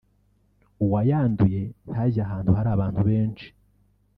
uwayanduye ntajye ahantu hari abantu benshi